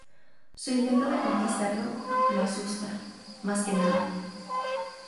Su intento de conquistarlo, lo asusta, más que nada.